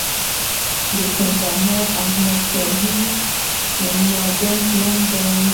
د کندهار احمد شاهي د نادر پلان دی